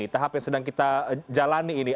tahap yang sedang kita jalani ini